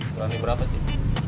kurangnya berapa cik